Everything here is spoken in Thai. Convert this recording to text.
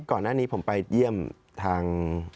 ก่อนหน้านี้ผมไปเยี่ยมทาง